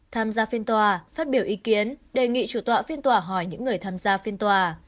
tham gia phiên tòa phát biểu ý kiến đề nghị chủ tọa phiên tòa hỏi những người tham gia phiên tòa